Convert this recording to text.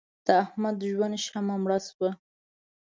د احمد د ژوند شمع مړه شوه.